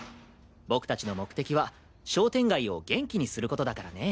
僕たちの目的は商店街を元気にすることだからね。